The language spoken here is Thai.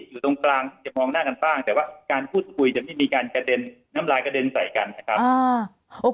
อยู่ตรงกลางจะมองหน้ากันบ้างแต่ว่าการพูดคุยจะไม่มีการกระเด็นน้ำลายกระเด็นใส่กันนะครับ